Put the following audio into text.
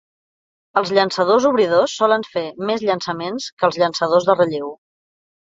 Els llançadors obridors solen fer més llançaments que els llançadors de relleu.